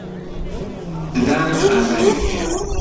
ددانم ئازاری هەیە.